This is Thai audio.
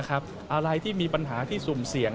อะไรที่มีปัญหาที่สุ่มเสี่ยง